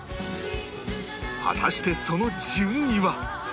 果たしてその順位は？